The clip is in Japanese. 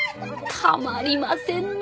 たまりませんなぁ！